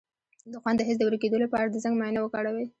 د خوند د حس د ورکیدو لپاره د زنک معاینه وکړئ